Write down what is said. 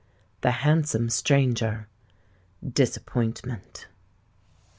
THE HANDSOME STRANGER.—DISAPPOINTMENT.